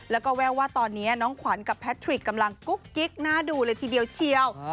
แล้วก็แววว่าตอนนี้น้องขวัญกับแพทริกกำลังกุ๊กกิ๊กน่าดูเลยทีเดียวเชียว